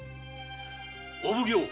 お奉行・